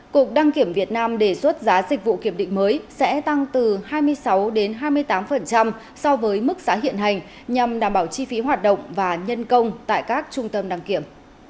cục đăng kiểm việt nam đề xuất giá dịch vụ kiểm định mới sẽ tăng từ hai mươi sáu đến hai mươi tám so với mức giá hiện hành nhằm đảm bảo chi phí hoạt động và nhân công tại các trung tâm đăng kiểm